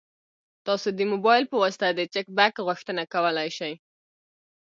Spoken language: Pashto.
تاسو د موبایل په واسطه د چک بک غوښتنه کولی شئ.